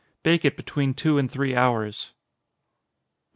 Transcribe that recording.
Bake it between two and three hours. 139.